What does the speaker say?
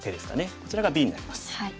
こちらがＢになります。